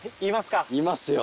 いますか。